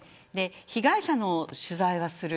被害者の取材はする。